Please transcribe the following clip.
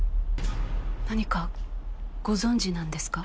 何かご存じなんですか？